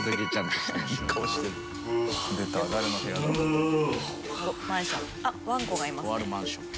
「とあるマンション」